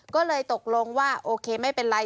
ก็เลยตกลงว่าโอเคไม่เป็นไร